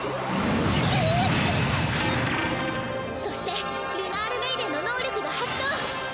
そしてルナールメイデンの能力が発動！